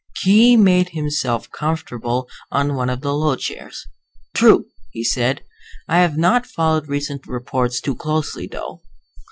Khee made himself comfortable on one of the low chairs. "True," he said. "I have not followed recent reports too closely, though.